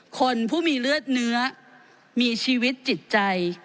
คนผู้มีเลือดเนื้อมีชีวิตจิตใจ